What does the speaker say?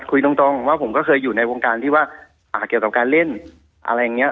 คุยตรงว่าผมก็เคยอยู่ในวงการที่ว่าเกี่ยวกับการเล่นอะไรอย่างนี้